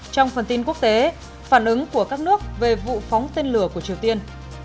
trong phần tin quốc tế phản ứng của các nước về vụ phóng tên lửa của triều tiên